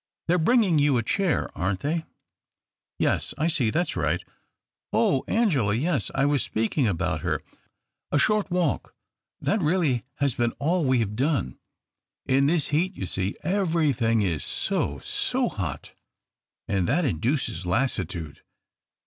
They are bringing you a chair, aren't they ? Yes, I see, that's right. Oh, Angela — yes ! I was speaking about her. A short walk — that really has been all we have done. In this heat, you see, everything is so — so hot. And that induces lassitude.